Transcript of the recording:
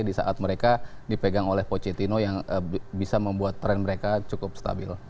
di saat mereka dipegang oleh pochettino yang bisa membuat tren mereka cukup stabil